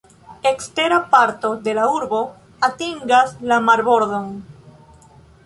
Ekstera parto de la urbo atingas la marbordon.